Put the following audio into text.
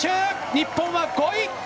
日本は５位！